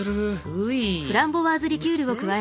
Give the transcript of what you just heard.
うい。